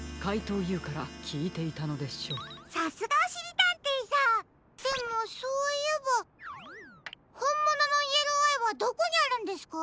さすがおしりたんていさんでもそういえばほんもののイエローアイはどこにあるんですか？